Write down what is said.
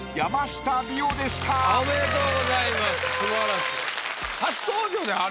おめでとうございます素晴らしい。